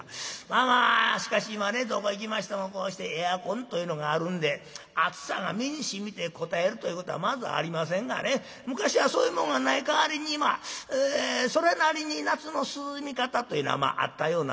まあしかし今ねどこ行きましてもこうしてエアコンというのがあるんで暑さが身にしみてこたえるということはまずありませんがね昔はそういうもんがない代わりにそれなりに夏の涼み方というのはあったようなんですけれども。